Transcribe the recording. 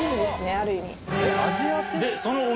ある意味。